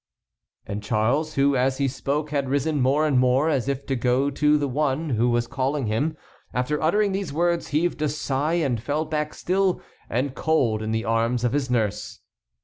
And Charles, who as he spoke had risen more and more as if to go to the One who was calling him, after uttering these words heaved a sigh and fell back still and cold in the arms of his nurse.